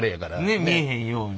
ね見えへんように。